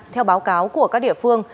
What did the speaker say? theo báo cáo của các địa phương